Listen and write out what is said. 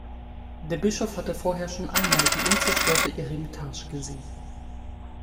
Der Bischof hatte vorher schon einmal die unzerstörte Eremitage gesehen.